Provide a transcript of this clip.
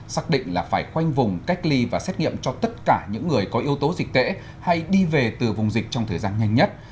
xác định là phải khoanh vùng cách ly và xét nghiệm cho tất cả những người có yếu tố dịch tễ hay đi về từ vùng dịch trong thời gian nhanh nhất